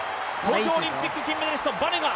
東京オリンピック金メダリスト、バレガ。